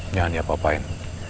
jangan dia apa apain